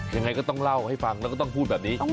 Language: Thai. ยังไงก็ต้องเล่าให้ฟังแล้วก็ต้องพูดแบบนี้